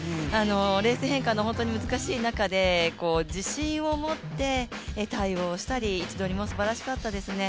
レース変化の本当に難しい中で自信を持って対応したり、位置取りもすばらしかったですね。